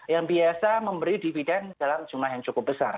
yang biasa memberi dividen dalam jumlah yang cukup besar